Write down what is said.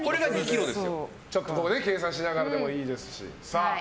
計算しながらでもいいですし。